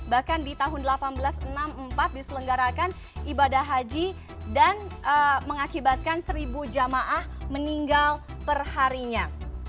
seribu delapan ratus lima puluh seribu delapan ratus enam puluh lima seribu delapan ratus delapan puluh tiga bahkan di tahun seribu delapan ratus enam puluh empat diselenggarakan ibadah haji dan mengakibatkan seribu jamaah meninggal perharinya